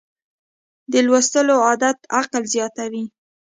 د لوستلو عادت عقل زیاتوي.